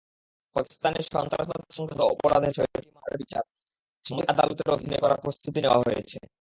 পাকিস্তানে সন্ত্রাসবাদ-সংক্রান্ত অপরাধের ছয়টি মামলার বিচার সামরিক আদালতের অধীনে করার প্রস্তুতি নেওয়া হয়েছে।